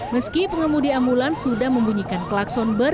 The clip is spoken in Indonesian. meski pengemudi ambulans sudah membunyikan klakson ber